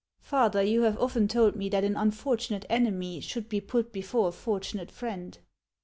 " Father, you have often told me that an unfortunate enemy should be put before a fortunate friend.